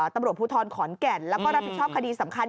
ตำรวจภูทรขอนแก่นแล้วก็รับผิดชอบคดีสำคัญ